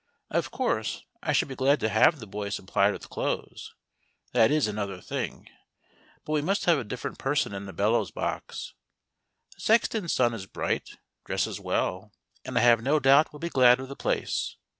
Of course, I should be glad to have the boy supplied with clothes. That is another thing. But we must have a different person in the bellows box. The sexton's son is bright, dresses well, and I have no doubt would be glad of the place.